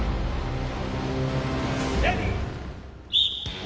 レディー。